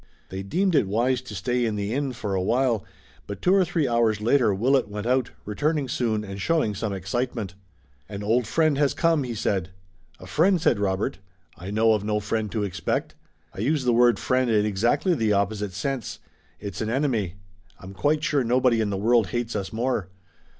They deemed it wise to stay in the inn for a while, but two or three hours later Willet went out, returning soon, and showing some excitement. "An old friend has come," he said. "A friend!" said Robert. "I know of no friend to expect." "I used the word 'friend' in exactly the opposite sense. It's an enemy. I'm quite sure nobody in the world hates us more."